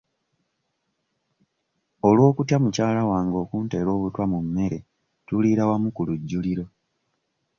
Olw'okutya mukyala wange okunteera obutwa mu mmere tuliira wamu ku lujjuliro.